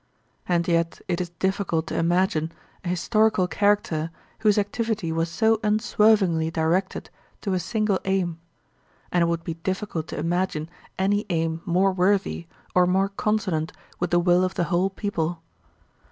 And yet it is difficult to imagine an historical character whose activity was so unswervingly directed to a single aim; and it would be difficult to imagine any aim more worthy or more consonant with the will of the whole people.